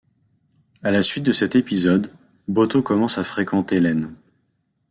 À la suite de cet épisode, Botho commence à fréquenter Lene.